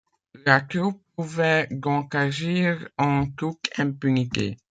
La troupe pouvait donc agir en toute impunité.